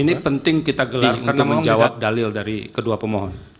jadi ini penting kita gelarkan dan menjawab dalil dari kedua pemohon